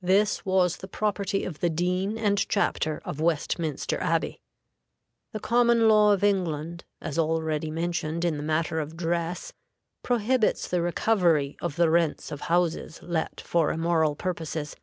This was the property of the dean and chapter of Westminster Abbey. The common law of England, as already mentioned in the matter of dress, prohibits the recovery of the rents of houses let for immoral purposes.